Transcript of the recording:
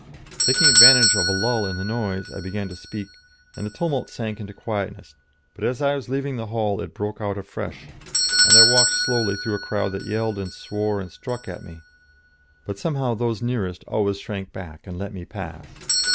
Taking advantage of a lull in the noise, I began to speak, and the tumult sank into quietness; but as I was leaving the hall it broke out afresh, and I walked slowly through a crowd that yelled and swore and struck at me, but somehow those nearest always shrank back and let me pass.